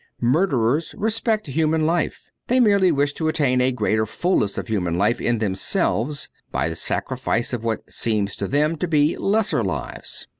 Murderers respect human life ; they merely wish to attain a greater fullness of human life in themselves by the sacrifice of what seems to them to be lesser lives.